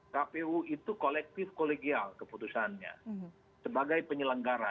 kpu itu kolektif kolegial keputusannya sebagai penyelenggara